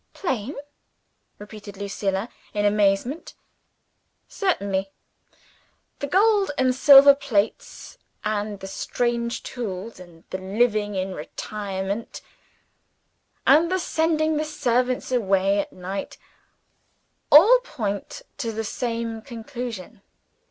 "Plain?" repeated Lucilla, in amazement. "Certainly! The gold and silver plates, and the strange tools, and the living in retirement, and the sending the servants away at night all point to the same conclusion.